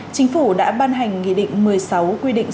chính phủ đã ban hành nghị định một mươi sáu